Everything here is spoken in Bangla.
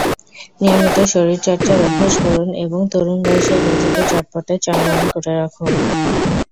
নিয়মিত শরীর চর্চার অভ্যাস করুন এবং তরুণ বয়সেই নিজেকে চটপটে-চনমনে করে রাখুন।